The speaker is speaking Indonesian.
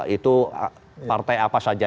itu partai apa saja